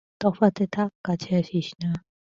তফাতে থাক্, কাছে আসিস না।